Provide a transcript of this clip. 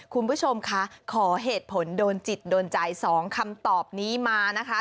คุณผู้ชมคะขอเหตุผลโดนจิตโดนใจ๒คำตอบนี้มานะคะ